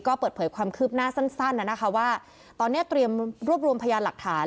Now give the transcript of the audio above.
ก็เปิดเผยความคืบหน้าสั้นนะคะว่าตอนนี้เตรียมรวบรวมพยานหลักฐาน